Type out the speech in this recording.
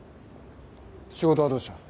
仕事はどうした？